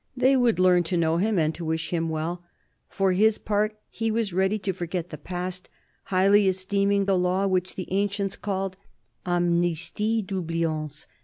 They would learn to know him, and to wish him well. For his part, he was ready to forget the past, highly esteeming the law which the ancients called " amnistie d'oubliance."